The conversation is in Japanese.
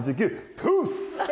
トゥース！